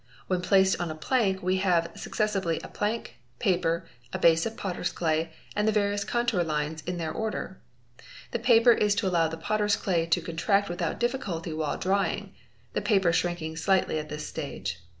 When placed on a plank we have successively a plank, paper, a base of potter's clay, and the various contour lines in their order. The paper is to allow the potter's clay to contract without difficulty while drying, the paper shrinking slightly at this stage.